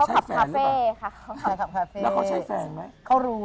เขาขับคาเฟ่หรือเปล่าแล้วเขาใช้แฟนไหม